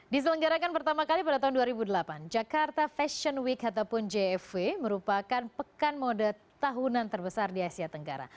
diselenggarakan pertama kali pada tahun dua ribu delapan jakarta fashion week ataupun jfw merupakan pekan mode tahunan terbesar di asia tenggara